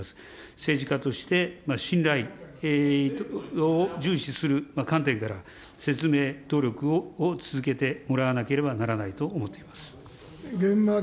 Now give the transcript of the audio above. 政治家として、信頼を重視する観点から、説明努力を続けてもらわなければならないと思っています。